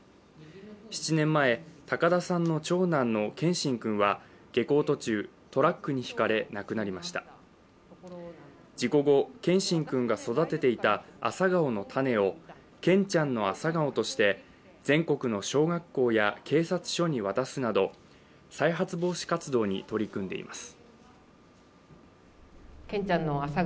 ７年前、高田さんの長男の謙真君は、下校途中トラックにひかれ、亡くなりました事故後、謙真君が育てていた朝顔の種を「けんちゃんの朝顔」として全国の小学校や警察署に渡すなど再発防止活動に取り組んでいます。